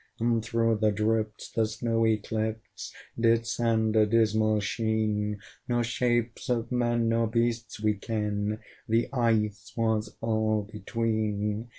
And through the drifts the snowy clifts Did send a dismal sheen: Nor shapes of men nor beasts we ken The ice was all between.